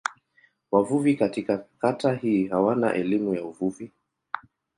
Wavuvi katika kata hii hawana elimu ya uvuvi.